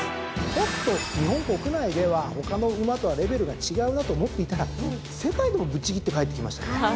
ちょっと日本国内では他の馬とはレベルが違うなと思っていたら世界でもぶっちぎって帰ってきましたよね。